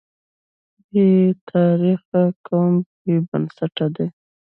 بې تاریخه قوم بې بنسټه دی.